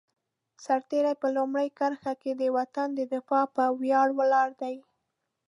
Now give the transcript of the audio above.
سرتېری په لومړۍ کرښه کې د وطن د دفاع په ویاړ ولاړ دی.